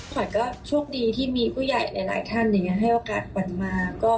ขวัญก็โชคดีที่มีผู้ใหญ่หลายท่านอย่างนี้ให้โอกาสขวัญมา